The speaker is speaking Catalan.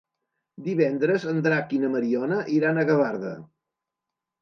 Divendres en Drac i na Mariona iran a Gavarda.